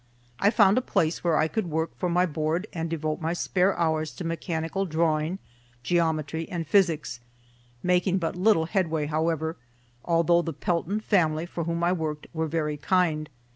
I found a place where I could work for my board and devote my spare hours to mechanical drawing, geometry, and physics, making but little headway, however, although the Pelton family, for whom I worked, were very kind.